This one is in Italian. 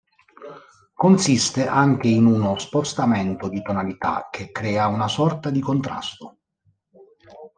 Consiste anche in uno spostamento di tonalità, che crea una sorta di contrasto.